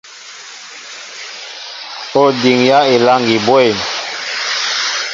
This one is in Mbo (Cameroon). Ó diŋyá elâŋgi bwɛ̂m ?